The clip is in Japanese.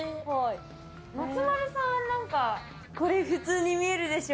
松丸さん、これ普通に見えるでしょ？